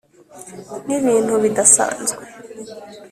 ni ibintu bidasanzwe.